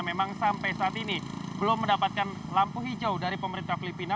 memang sampai saat ini belum mendapatkan lampu hijau dari pemerintah filipina